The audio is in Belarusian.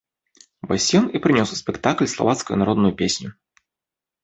Вось ён і прынёс у спектакль славацкую народную песню.